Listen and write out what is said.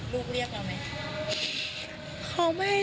ลูกเรียกเราไหม